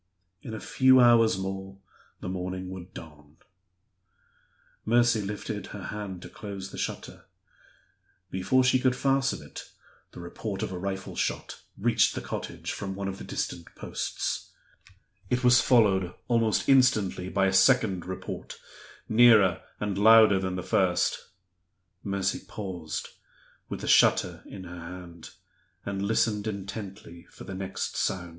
In a few hours more the morning would dawn. Mercy lifted her hand to close the shutter. Before she could fasten it the report of a rifle shot reached the cottage from one of the distant posts. It was followed almost instantly by a second report, nearer and louder than the first. Mercy paused, with the shutter in her hand, and listened intently for the next sound.